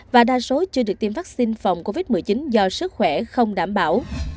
và đa số chưa được tiêm vaccine phòng covid một mươi chín do sức khỏe không đảm bảo